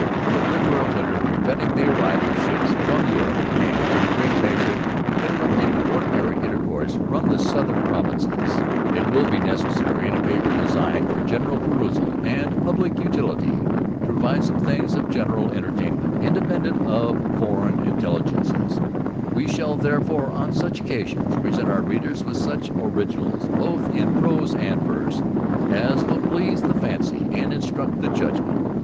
The Rigour of Winter preventing the arrival of ships from Europe, and in a great measure interrupting the ordinary intercourse with the Southern Provinces, it will be necessary, in a paper designed for General Perusal, and Publick Utility, to provide some things of general Entertainment, independent of foreign intelligence: we shall therefore, on such occasions, present our Readers with such Originals, both in Prose and Verse, as will please the FANCY and instruct the JUDGMENT.